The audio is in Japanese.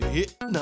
何？